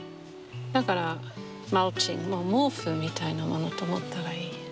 だから毛布みたいなものと思ったらいい。